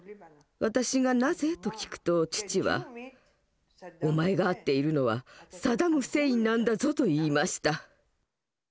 私が「なぜ？」と聞くと父は「お前が会っているのはサダム・フセインなんだぞ」と言いました。